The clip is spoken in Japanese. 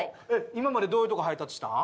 今までどういうとこ配達したん？